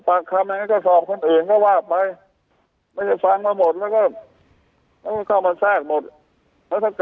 ปากคำนี้ก็สอบคนอื่นก็ว่าไปไม่ฟังมาหมดแล้วก็เข้า